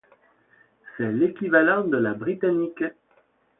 C'est l'équivalent de la britannique.